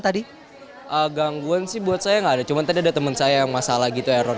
gak ada gangguan sih buat saya cuma tadi ada temen saya yang masalah gitu error